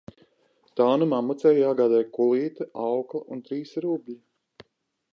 Tā nu mammucei jāgādā kulīte, aukla un trīs rubļi.